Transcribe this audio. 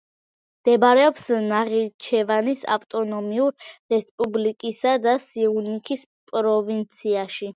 მდებარეობს ნახიჩევანის ავტონომიურ რესპუბლიკისა და სიუნიქის პროვინციაში.